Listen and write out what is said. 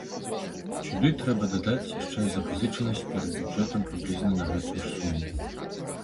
Сюды трэба дадаць яшчэ і запазычанасць перад бюджэтам прыблізна на гэтую ж суму.